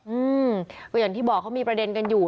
อืมก็อย่างที่บอกเขามีประเด็นกันอยู่